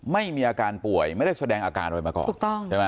ไม่มีอาการป่วยไม่ได้แสดงอาการอะไรมาก่อน